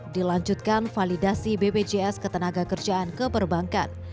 dilanjutkan validasi bpjs ketenagakerjaan ke perbankan